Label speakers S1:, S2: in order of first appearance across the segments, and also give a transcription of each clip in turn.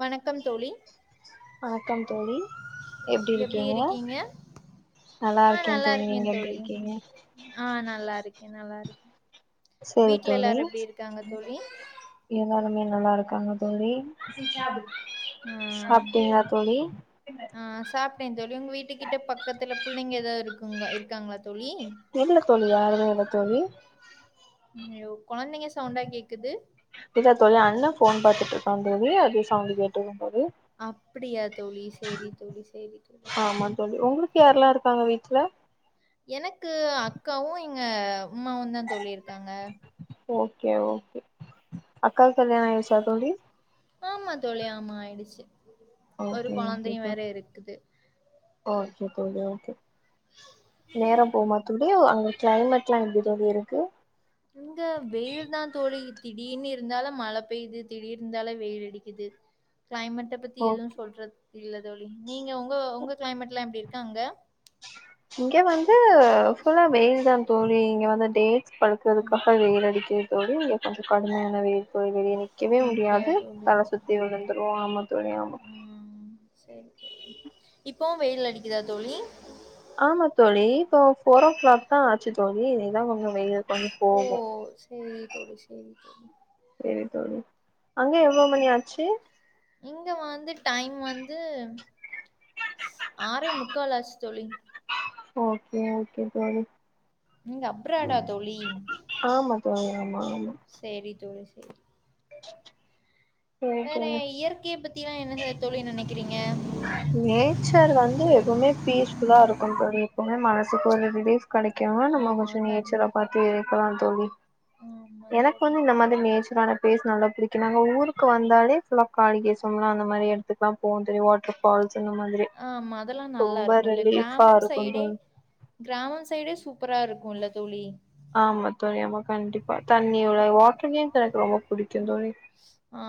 S1: வணக்கம் தோழி
S2: வணக்கம் தோழி எப்டி இருகிங்க
S1: ஆ
S2: நல்லாயிருகேன்
S1: நல்லா
S2: தோழி நீ
S1: இருக்கே
S2: ங்க எப்டி
S1: தோழி
S2: இருக்கிக
S1: ஆ நல்லா நல்லா இருக்கே இருக்
S2: செரி தோழி ஏதாலுமே நல்லாயிருகாங்க தோழி
S1: ம்
S2: சாப்டிங்களா தோலி
S1: ஆ சாப்ட்டே தோழி உங்க வீட்டு கிட்ட பக்கதுல புள்ளங்க ஏதாவது இருக்கோ இருக்காங்களா தோழி
S2: எல்ல தோழி யாரும எல்ல [unintelligible] தோழி
S1: ஐயோ கொழந்தைங்க சவுண்டா கேக்குது
S2: ட்டா தொழி அண்ணா போன் பாத்துட்டு இருக்கான் தெரியும் சங்க கேட்டு
S1: அப்டியா தோழி செரி தோழி செரி தோழி
S2: யாரெல்லாம் இருக்காங்க வீட்டுல
S1: எனக்கு அகாவும் இங்க ம்மாவும் தாதோழியிருக்காக
S2: ஓகே ஓகே க்க கல்யண ஆயூடிச்சஃதோலழி
S1: ஆமா தோழி ஆமா ஆயிடுச்சு ஒரு
S2: ஓகே ஓகே
S1: கொழந்தையு
S2: கா
S1: வேற இருக்குது
S2: ஓகே [unintelligible] நேரரோ போம தலோ அ கிளைமேட் எல்லாம் எப்டி தோழி இருக்கு
S1: இந்த வெயில் தான் தோழி திடீனு இருந்தாலு மழ பெய்து திடீனுயிருந்தாலு வெயில் அடிக்குது கிளைமேட்டை பத்தி
S2: ஓ
S1: எதுவும் சொல்றது இல்ல தோழி நீங்க உங்க உங்க கிளைமேட் எல்ல எப்டி இருக்கு அங்க
S2: இங்க வந்து புல்லா வெயில் தா தோழி இங்க வந்து டேட் படுக்கறதுக்காக வேறு அடிக்க தோழி இங்க கொஞ்சம் கடுமையானவே க்கவே
S1: அப்டியா
S2: முடியாது
S1: தோழி
S2: தல சுத்தி விழுந்துருவாஆம்மா துழி ஆம்மா
S1: இப்போ வெயில் அடிக்குதா தோழி
S2: ஆமா தோழி இப்போ போரோ ஓ கிளாக் தா ஆச்சு தோழி இதான் கொஞ்சம் வெயில் கொஞ்சோ
S1: ஓ
S2: போகு
S1: செரி தோழி செரி தோழி
S2: சரி தோழி அங்க எவ்ளோ மணியாச்சி
S1: இங்க வந்து டைம் வந்து ஆறே முக்கால் அச்சு தோழி
S2: ஓகே ஓகே தோழி
S1: நீங்க அப்றாடா தோழி
S2: ஆமா தோழி ஆமா ஆமா
S1: செரி தோழி சரி
S2: சரி
S1: வேற
S2: தோழி
S1: இயற்கையை பத்திலா என்ன தோழி நினைக்க இருக்கிறீங்க
S2: நேச்சர் வந்து எப்பவுமே பீஸ்புல்லா இருக்கும் தோழி எப்பவுமே மனசுக்கு ஒரு ரிலீப் கிடைக்கு நம்ம
S1: ஆமா
S2: கொஞ்சம் நேச்சர்
S1: கண்டிப்பா
S2: பத்தி இருக்கலாம் தோழி
S1: ஆமா
S2: எனக்கு
S1: தோழி.
S2: வந்து இந்த மாதிரி நேச்சரான பேஸ் நல்லா புடிக்கும் நாங்க ஊரு க்கு வந்தாலே இல்ல காளிகேசம் அந்த மாதிரி இடத்துக்கல்லாம் போவ தோழி வாட்டர்ஃபால்ஸ் அந்த மாதிரி
S1: ஆமா அதெல்லாம் நல்லா
S2: ரொம்ப
S1: இருக்கும்ல.
S2: ரிலீபா
S1: கிராமம்
S2: இருக்கும் தோழி
S1: சுப்பரா இருக்கும்ல தோழி
S2: தண்ணியோட வாட்டர்ல எனக்கு ரொம்ப பிடிக்கும் தோழி
S1: ஆ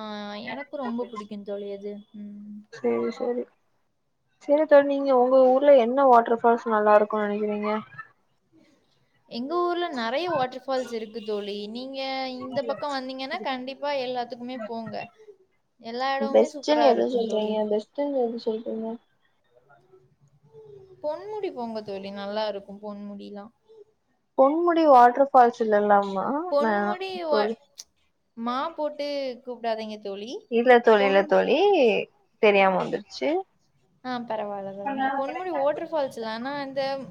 S1: எனக்கு ரொம்ப புடிக்கும் தோழி அது ம்
S2: செரி செரி செரி தோழி நீங்க உங்க ஊர்ல என்ன வாட்டர் ஃபால்ஸ் நல்லா இருக்கும் நினைக்கிறீங்க
S1: எங்க ஊர்ல நெறைய வாட்டர் ஃபால்ஸ் இருக்கு தோழி. நீங்க இந்த பக்கம் வந்தீங்கன்னா கண்டிப்பா எல்லா இடத்துக்கும் போங்க எல்லா இடமுமே
S2: பெஸ்ட்ன்னு
S1: சூப்பரா
S2: எது
S1: இருக்கும் தோழி
S2: சொல்றீங்க பெஸ்ட்ன்னு எது சொல்றீங்க
S1: பொன்முடி போங்க தோழி நல்லா இருக்கும் பொன்முடியிலாம்
S2: பொன்முடி வாட்டர் ஃபால்ஸ் இல்ல எல்லாம் நா நா
S1: பொன்முடி வ
S2: தோழி
S1: மா போட்டு கூப்பிடாதுங்க
S2: இல்ல தோழி இல்ல தோழி தெரியாம வந்துருச்சு
S1: ஆமா பரவால பரவால பொன்முடி வாட்டர்ஃபால்ஸ் தானா தேம்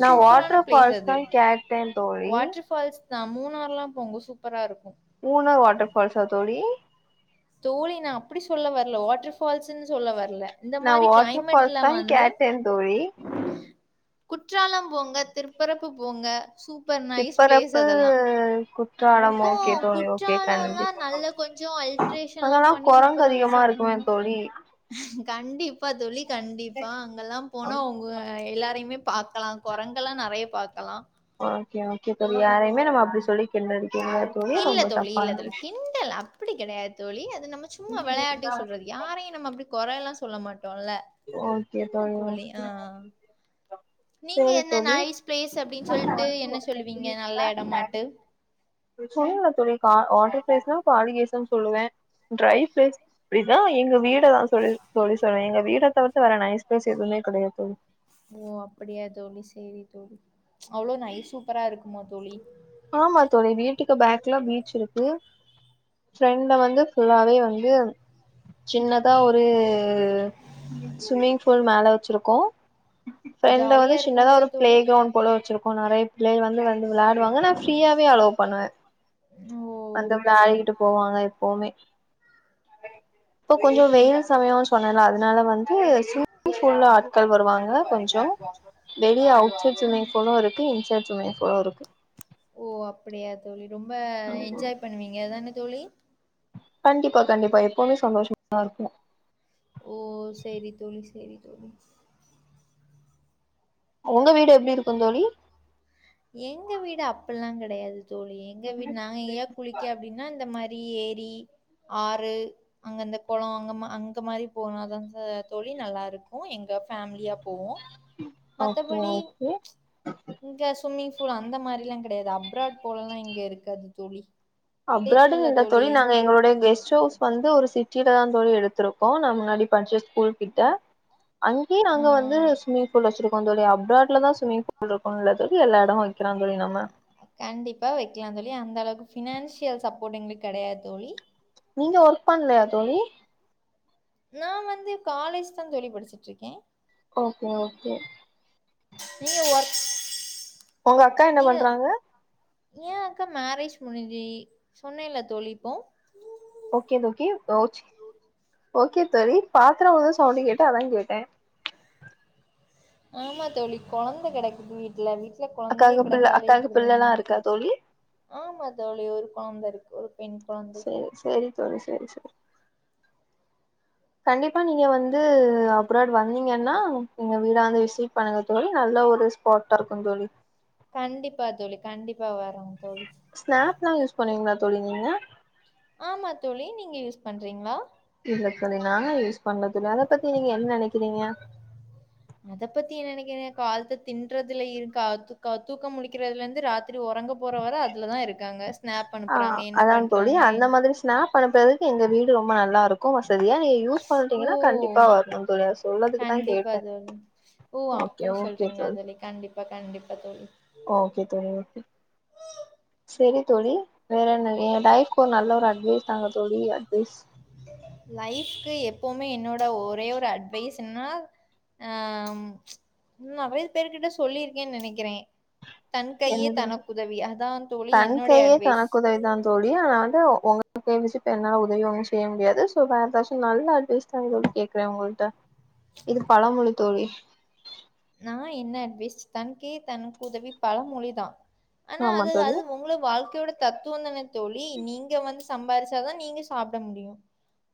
S2: நான் வாட்டர் பால்ஸ் தா கேட்டேன் தோழி
S1: நா மூணாரெல்லா போங்க சூப்பரா இருக்கும்
S2: ஊனர் வாட்டர்ஃபால்ஸா ஆ தோழி
S1: தோழி நான் அப்படி சொல்ல வரல வாட்டர்ஃபால்ஸ்னு சொல்ல வர
S2: நான் வாட்டர்ஃபால்ஸ் தா கேட்ட தோழி
S1: குற்றாலம் போங்க திருப்பரப்பு போங்க நைஸ் பிளேஸ்
S2: திருப்பரப்பு
S1: அதெல்லா
S2: குற்றாளம்
S1: இப்போ
S2: ஓகே தோழி ஓகே கண்டி
S1: ஹில் ஸ்டேஷன் எல்லாம் பண்ணி சூப்பரா வச்சிருக்காங்க
S2: தோழி
S1: கண்டிப்பா தோழி கண்டிப்பா அங்கெல்லாம் போனா உங்க எல்லாரையுமே பாக்கலாம் குரங்கெல்லாம் நறையா பாக்கலாம்
S2: ஓகே ஓகே தோழி யாரையுமே நம்ம அப்படி சொல்லி கிண்ணடல் அடி
S1: இல்ல தோழி இல்ல தோழி கிண்டல் அப்படி கிடையாது தோழி அது நம்ம சும்மா விளையாட்டுக்கு சொல்றது யாரையும் நம்ம அப்படி குறை எல்லாம் சொல்ல மாட் டோம்ல என்ன தோழி ஆ ஆ நீங்க
S2: சேரி
S1: என்ன
S2: தோழி
S1: நைஸ் பிளேஸ் அப்படின்னு சொல்லிட்டு என்ன சொல்லுவீங்க நல்ல இடமாட்டு
S2: சொல்லுங்க தோழி பா ஆர்டர் பேசம் பாலி கேசம் சொல்லுவேன் ட்ரை பேஸ் அப்படிதான் எங்க வீட் டுல நான் சொல்லி சொல்லி சொல்றீங்க வீட தவிர்த்து வேற நைஸ் பிளேஸ் எதுவுமே கிடையாது
S1: ஓ அப்படியா தோழி சேரி தோழி அவ்ளோ நைஸ் சூப்பரா இருக்குமா தோழி
S2: ஆமா தோழி வீட்டுக்கு பேக்ல பீச் இருக்கு ஃப்ரெண்ட் வந்து ஃபுல்லாவே வந்து சின்னதா ஒரு ஸ்விம்மிங் பூல் மேல வச்சிருக்கோம் ஃப்ரெண்ட்ல வந்து
S1: ஜாலியா
S2: சின்னதா
S1: இருக்கும்ல
S2: ஒரு ப்ளே
S1: தோழி?
S2: கிரௌண்ட் போல வச்சிருக்கோம் நறைய பிள்ளைய வந்து வந்து விளையாடு வாங்க நான் ப்ரீயாவே அளோ பண்ணுவேன்
S1: ஓ!
S2: அ இப்போ கொஞ்சம் வெயில் சமயம் பண்ணலாம் அதனால வந் து சுச்சு ஃபுல்லா க்கள் வருவாங்க கொஞ்சம் வெளிய பீச்லே பொனம் இருக்கு இன்சார்ஜ் மைக்குரோ இருக்கு
S1: ஓ அப்படியா தோழி ரொம்ப என்ஜாய் பண்ணுவீங்க தானே தோழி
S2: கண்டிப்பா கண்டிப்பா எப்பவுமே சந்தோஷமா தான் இருக்கும்
S1: ஓ செரி தோழி செரி தோழி
S2: உங்க வீடு எப்படி இருக்கும் தோழி
S1: எங்க வீடு அப்டிலாம் கெடையாது தோழி எங்க வீட்டு நாங்க எங்கயா குளிக்க அப்படின்னா இந்த மாரி ஏரி ஆறு அங்கந்த குளம் அ அங்க மாரி போன தான் தோழி நல்லா இருக்கும் எங்க ஃபேமிலியா போவோம்
S2: ஓகே
S1: மத்தபடி
S2: ஓகே
S1: இங்க ஸ்விம்மிங் பூல் அந்த மாரிலாம் கெடையாது அப்ராட் போல எல்லாம் இங்க இருக்காது தோழி
S2: அப்ராடுன்னு என்ற தோழி நாங்க எங்களுடைய கெஸ்ட் ஹவுஸ் வந்து ஒரு சி கீழ தான் தோழி எடுத்துருக்கோம் முன்னாடி படிச்ச குறிப்பிட்ட அங்கேயே
S1: ஆ
S2: நாங்க வந்து ஸ்விமிங் ஃபூல் வச்சிருக்கோம் நம்முடைய அப்ராடல தான் ஸ்ம்மிங் ஃபூல் இருக்கும்னுல்ல எல்லா இடமும் வைக்கிறோம் தோழி நம்ம
S1: கண்டிப்பா வைக்கலாம் தோழி அந்த அளவுக்கு ஃபினான்சியல் சப்போர்ட் எங்களுக்கு கிடையாது தோழி
S2: நீங்க ஒர்க் பண்ணலயா தோழி
S1: நான் வந்து காலேஜ் தான் தோழி படிச்சிட்டு இருக்கேன்
S2: ஓக்கே ஓக்கே
S1: நீங்க ஒர்க்
S2: உங்க அக்கா என்ன பண்றாங்க
S1: ஏன் அக்கா மேரேஜ் முடிஞ்சு சொன்னேல தோழி இப்போ
S2: ஓக்கே ஓக்கே ஓச் ஓக்கே தோழி பாத்திரம் உல்ர சவுண்ட கேட்டு அதான் கேட்டேன்
S1: ஆமா தோழி கொழந்த கிடக்குது வீட்டுல கொழந்தைங்க
S2: அக்காக்கு பிள்ள
S1: கிடந்தாலே
S2: அக்காக்கு
S1: இப்படி தான
S2: பிள்ளல்லா இருக்கா தோழி
S1: ஆமா தோழி ஒரு கொழந்த இருக்கு ஒரு பெண் கொழந்தை
S2: செரி செரி தோழி செரி செரி கண்டிப்பா நீங்க வந்து அப்ராட் வந்தீங்கன்னா நீங்க வீடாந்து விசிட் பண்ணுங்க தோழி நல்ல ஒரு ஸ்பாட்டா இருக்கும் தோழி
S1: கண்டிப்பா தோழி கண்டிப்பா வரம்
S2: ஸ்நாப் எல்லாம் யூஸ் பண்ணுவீங்களா தோழி நீங்க
S1: ஆமா தோழி நீங்க யூஸ் பண்றீங்களா
S2: இல்லங்க தோழி நானு யூஸ் பண்ணதுல அத பத்தி நீங்க என்ன நெனைக்கிறீங்க
S1: நெனைக்க காலத்த தின்றதுல இருந்து தூக்கம் முழிக்கிறதுல இருந்து ராத்தி உறங்க போற வார அதுலதான் இருக்காங்க ஸ்நாப்
S2: ஆ
S1: அனுப்புறாங்க என்ன
S2: அதா தோழி
S1: பண்றாங்க
S2: அந்த மாதிரி ஸ்நாப் அனுப்புறதுக்கு எங்க வீடு ரொம்ப நல்லா இ இருக்கும் வசதியா இது யூஸ்
S1: ஓ
S2: பண்ணிட்டீங்கன்னா கண்டிப்பா வும் சொல்லறதுக்குதான்
S1: கண்டிப்பா
S2: கேட்டே
S1: தோழி ப்பா கண்டிப்பா தோழி
S2: ஓக்கே தோழி செரி தோழிவேற என்ன என் லைஃப்க்கு ஒரு நல்ல ஒரு அட்வைஸ் தாங்க தோழி அட்வைஸ்
S1: லைஃப் எப்பவுமே என்னோட ஒரே ஒரு அட்வைஸ் என்னனா ஆஹ் உம் நெறைய பேருகிட்ட சொல்லியிருக்கேன்னு நெனைக்கிறேன்
S2: என்னது
S1: தோழி
S2: தன்
S1: என்னுடைய
S2: கையே
S1: அட்வைஸ்
S2: தனக்குதவி தான் தோழி ஆனா வந்து உங்க கைவச்சுட்டு என்னால உதவி ஒன்னும் செய்ய முடியாது சோ வேற எதாச்சும் நல்ல அட்வைஸ் தான் கேக்குறேன் உங்ககிட்ட இது பழமொழி தோழி
S1: நான் என்ன அட்வைஸ் தன் கையே தனக்கு உதவி பழமொழிதான் ஆனா
S2: ஆமா
S1: அது
S2: தோழி
S1: அது உங்கள வாழ்க்க ஓட தத்துவம் தான் தோ தோழி நீங்க வந்து சம்பாரிச்சாதான் நீங்க சாப்ட முடியும்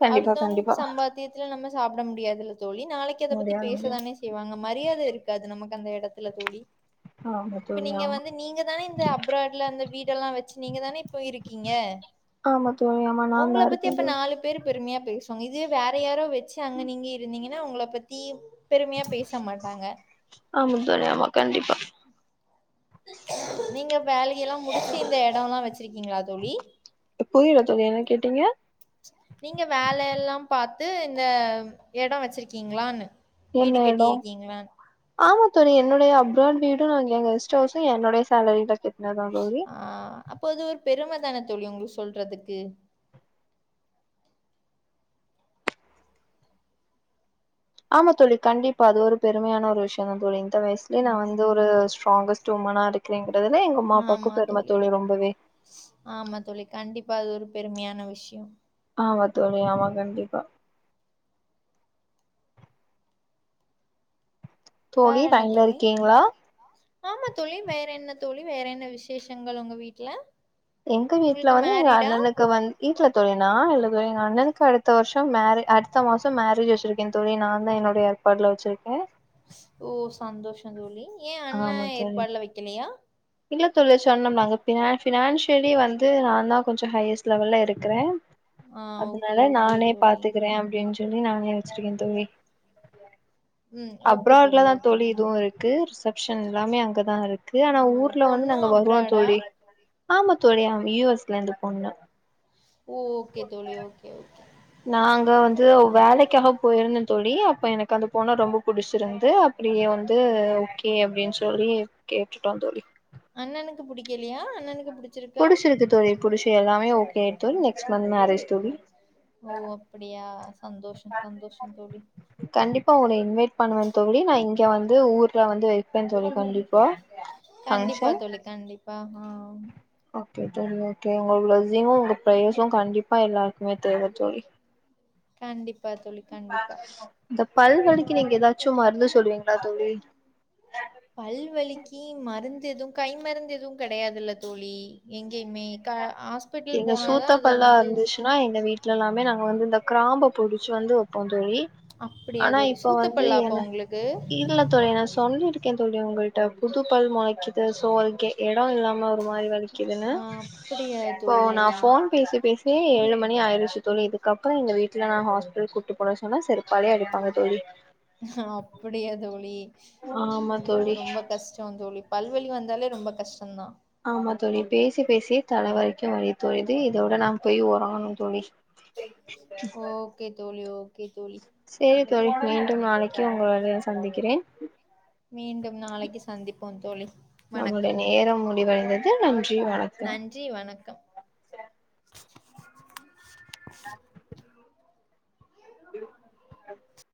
S2: கண்டிப்பா கண்டிப்பா
S1: அடுத்தவுங்க சம்பாத்தியத்தில நம்ம சாப்ட முடியாதுல்ல தோழி நாளைக்கு அத பத்தி
S2: முடியாது முடியாது
S1: பேசதான செய்வாங்க மரியாதை அது நமக்கு அந்த எடத்துல தூழி
S2: ஆமா
S1: இப்ப
S2: தோழி
S1: நீங்க
S2: ஆமா
S1: வந்து நீங்க தான இந்த அப்ராட்ல அந்த வீடெல்லாம் வச்சு நீங்க தான இப்ப இருக்கீங்க
S2: ஆமா தோழி ஆமா நான் தான்
S1: உங்களபத்தி
S2: இருக்கேன்
S1: அப்ப
S2: தோழி
S1: நாலு பேர் பெருமையா பேசுவாங்க இது வேற யாரோ வெச் ச்சா அங்க நீங்க இருந்தீங்க ன்னா உங்கள பத்தி பெருமையா பேச மாட்டாங்க
S2: ஆமா தோழி ஆமா கண்டிப்பா
S1: நீங்க வேலையெல்லாம் முடிச்சு இந்த எடம்லாம் வச்சு இருக்கீங்களா தோழி
S2: புரியல தோழி என்ன கேட்டீங்க
S1: நீங்க வேலை எல்லாம் பாத் து இந்த எடம் வச்சிருக்கீங்களானு
S2: என்ன இடம் ஆமா தோழி என்னுடைய அப்ராட் வீ டும் எங்க கெஸ்ட்ஹவுசும் என்னுடைய சாலரியில கட் னது தோழி
S1: பெருமைதான தோழி உங்களுக்கு சொல்றதுக்கு
S2: ஆமா தோழி கண்டிப்பா அது ஒரு பெருமையான ஒரு விஷயம் தான் தோழிங் இந்த வயசுலயே நான்
S1: ம்.
S2: வந்து ஒரு ஸ்ட்ராங்கஸ்ட் உமனா இருக்கிறேங்கிறதுல்ல எங்க அம்மா அப்பாக்கும் பெருமை தோழி ரொம்பவே
S1: இப்ப அது ஒரு பெருமையான விஷயம்
S2: ஆமா தோழி ஆமா கண்டிப்பா
S1: வேற
S2: தோழி
S1: என்ன
S2: லயன்ல
S1: தோழி
S2: இருக்கீங்ளா
S1: ஆமா தோழி வேற என்ன தோழி வேற என்ன விசேஷங்கள் உங்க வீட்ல
S2: எங்க வீட்ல
S1: உங்களுக்கு
S2: வந்து எங்க
S1: மேரிடா
S2: அண்ணனுக்கு வந்து வீட்ல தோழினால்ல எங்க அண்ணனுக்கு அடுத் அடுத்த வருஷம் மேரே அடுத்த மாசம் மேரேஜ் வச்சிருக்கேன் தோழி நான் தான் என்னுடைய ஏற்பாடுல வச்சிருக்கேன்
S1: ஓ சந்தோஷம் தோழி ஏன் அண்ணன் ஏற்பாடுல வக்கேலயா
S2: இல்லை தொழி சொன்ன அண்ணா ஃ பினான்சியலி வந்து நான்தான் கொஞ்சம் ஹையஸ்ட் லெவல்ல இருக்கிறேன்
S1: ஆ ஓகே
S2: அதனால
S1: ஓகே
S2: நானே
S1: தோழி
S2: பாத்துக்கறேன் அப்படின்னு சொல் நானே வச்சிருக்கேன் தோழி
S1: ம் ஓகே
S2: அப்ராட்லதான்
S1: ஓகே
S2: தோழி
S1: ம்
S2: இதுவும் இருக்கு சோ எல்லாமே அங்கதான் இருக் இருக்கு ஆனா
S1: ஓ
S2: ஊர்ல வந்து
S1: பொண்ணும்
S2: நாங்க வருவோம்
S1: அப்ராடா
S2: தோழி ஆமா தோழியா யூ எஸ் லந்து பொண்ணு
S1: ஓ ஓகே தோழி ஓகே ஓகே
S2: நாங்க வந்து வேலைக்காக போயிருந்தேன் தோழி அப்ப எனக்கு அந்த பொண்ண ரொம்ப பிடிச்சிருந்தது அப்டியே வந்து ஓகே அப்டின்னு சொல்லி கேட்டுட்டோம் தோழி
S1: அண்ணனுக்கு புடிக்கலயா அண்ணனுக்கு புடிச்சிருக்கா
S2: புடிச்சியிருக்கு இருக்கு தோழி புடிச்சி எல்லாமே ஓகே நெக்ஸ்ட் மந்த் மேரேஜ் தோழி
S1: ஓ அப்படியா சந்தோஷம் சந்தோஷம் தோழி
S2: கண்டிப் பா உன்ன இன்வைட் பண்ணுவேன் தோழி நான் இங்க வந்து ஊர்ல வந்து வைப்பேன் தோழி கண்டிப்பா
S1: கண்டிப்பா
S2: ஃபங்க்ஷன்
S1: தோழி கண்டிப்பா அஹ உம்
S2: ஓகே ஓகே உங்க பிளஸ்ஸிங்கும் உங்க ஃப்பிரைஸ்சூம் கண்டிப்பா எல்லாருக்குமே தேவை தோழி
S1: கண்டிப்பா தோழி கண்டிப்பா
S2: இந்த பல்வலிக்கு நீங்க ஏதாச்சும் மருந்து சொல்லுவீங்களா தோழி
S1: கீ மருந்து எதுவும் கை மருந்து எதுவும் கிடையாதுல்ல தோழி எங்கேயுமே க ஹாஸ்பிட்டல்
S2: எங்க
S1: போனாதா
S2: சூத்த
S1: அத
S2: பல்லா
S1: வந்து
S2: இருந்துச்சுன்னா எங்க வீட்ல எல்லாமே நாங்க வந்து அந்த கிராம்ப பொடிச்சு வந்து வப்போம் தோழி
S1: அப்படியா
S2: ஆனா
S1: தோழி
S2: இப்ப வந்து
S1: சூத்தப்பல்லா அப்ப
S2: என
S1: உங்களுக்கு
S2: இல்ல தோழி நா சொல்லிருக் இல்ல தோழி உங்ககிட்ட புது பல்லு முளைக்குது ஷோ அதுக்கு இடம் இல்லாம ஒரு மாரி வலிக்குதுன்னு
S1: ஆ அப்படியா
S2: இப்போ
S1: தோழி
S2: நா போன் பேசி பேசி ஏய் ஏழுமணி ஆயிருச்சு தோழி இதுக்கப்புற எங்க வீட்ல நான் ஹாஸ்பிடல் கூட்டு போனும் சொன்னா செர்ப்
S1: ஹ அப்டியா தோழி
S2: ஆமா
S1: ஐயோ
S2: தோழி
S1: ரொம்ப கஷ்டம் தோழி பல்வழி வந்தாலே ரொம்ப கஷ்டம்தான்
S2: ஆமா தோழி பேசி பேசி தலை வரைக்கும் வழி தோழுது இதோட நாங்க போய் உறங்கணும் தோழி
S1: ஓகே தோழி ஓ ஓகே தோழி
S2: சேரி தோழி மீண்டும் நாளைக்கு உங்களை சந்திக்கிறேன்
S1: மீண்டும் நாளைக்கு சந்திப்போம் தோழி
S2: நம்மளுடைய
S1: வணக்கம்
S2: நேரம் [unintelligible]
S1: நன்றி வணக்கம் [unintelligible]
S2: [inaudible]